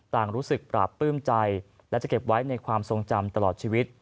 ต่างรู้สึกปราบปลื้มใจและจะเก็บไว้ในความทรงจำตลอดชีวิต